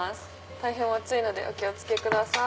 大変お熱いのでお気を付けください。